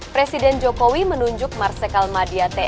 presiden jokowi menunjuk marsikal madia tni mohamad